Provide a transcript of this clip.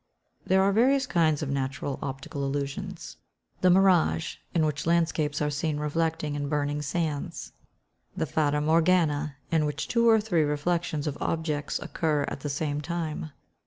_ There are various kinds of natural optical illusions: The mirage, in which landscapes are seen reflected in burning sands. The fata morgana, in which two or three reflections of objects occur at the same time.